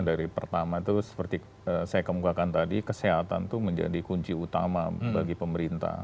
dari pertama itu seperti saya kemukakan tadi kesehatan itu menjadi kunci utama bagi pemerintah